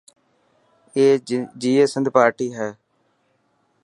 اي جئي سنڌ پارٽي هي.